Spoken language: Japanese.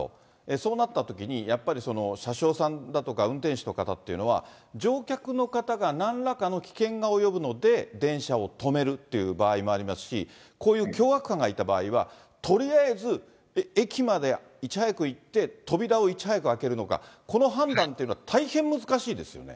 そうなったときに、やっぱり車掌さんだとか、運転士の方っていうのは、乗客の方がなんらかの危険が及ぶので、電車を止めるっていう場合もありますし、こういう凶悪犯がいた場合には、とりあえず駅までいち早く行って、扉をいち早く開けるのか、この判断っていうのは、大変難しいですよね。